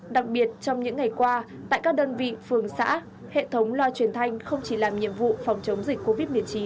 đặc biệt trong những ngày qua tại các đơn vị phường xã hệ thống loa truyền thanh không chỉ làm nhiệm vụ phòng chống dịch covid một mươi chín